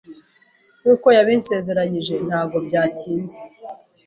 Nk’uko yabinsezeranyije ntago byatinze,